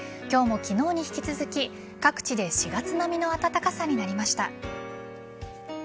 今日も昨日に引き続き各地で４月並みの暖かさになりました。